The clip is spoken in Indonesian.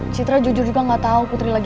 citra jujur juga gak tahu putri lagi